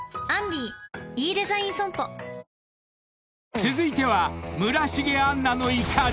［続いては村重杏奈の怒り］